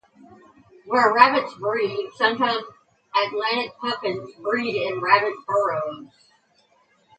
Where rabbits breed, sometimes Atlantic puffins breed in rabbit burrows.